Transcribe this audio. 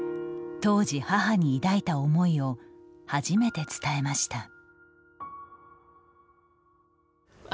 当時、母に抱いた思いを初めて伝えました。